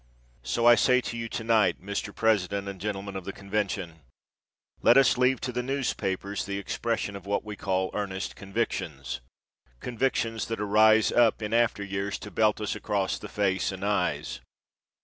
So I say to you to night, Mr. President and gentlemen of the convention, let us leave to the newspapers the expression of what we call earnest convictions convictions that arise up in after years to belt us across the face and eyes.